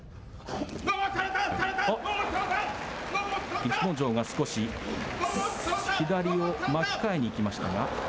逸ノ城が少し左を巻き替えに行きましたが。